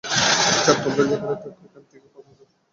-আচ্ছা, তোমরা যেখানে থাকো এথান থেকে কতদূর?